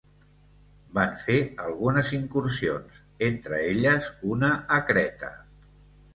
Van fer algunes incursions, entre elles una a Creta.